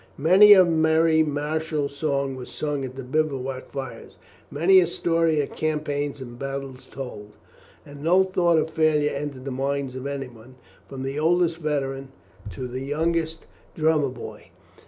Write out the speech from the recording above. Many a merry martial song was sung at the bivouac fires, many a story of campaigns and battles told, and no thought of failure entered the minds of anyone, from the oldest veteran to the youngest drummer boy.